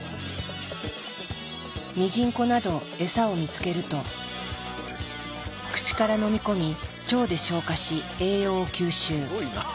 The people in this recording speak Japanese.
ミジンコなどエサを見つけると口からのみ込み腸で消化し栄養を吸収。